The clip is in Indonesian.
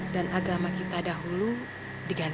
dan agama kita dahulu diganti majapahit